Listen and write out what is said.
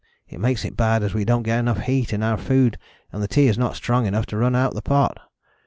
It makes it bad as we don't get enough heat in our food and the tea is not strong enough to run out of the pot.